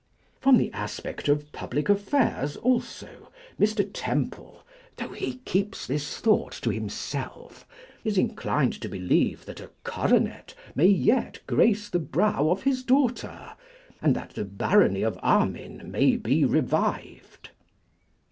From the aspect of public affairs also, Mr. Temple, though he keeps this thought to himself, is inclined to believe that a coronet may yet grace the brow of his daughter, and that the barony of Armine may be revived.